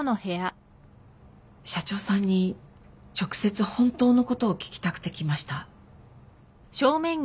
社長さんに直接本当のことを聞きたくて来ました。